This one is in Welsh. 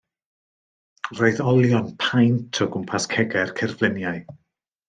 Roedd olion paent o gwmpas cegau'r cerfluniau.